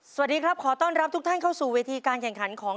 สวัสดีครับขอต้อนรับทุกท่านเข้าสู่เวทีการแข่งขันของ